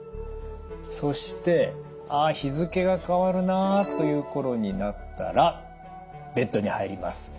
そしてあ日付が変わるなという頃になったらベッドに入ります。